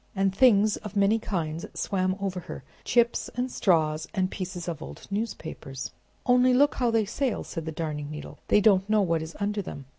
And things of many kinds swam over her, chips and straws and pieces of old newspapers. "Only look how they sail!" said the Darning Needle. "They don't know what is under them!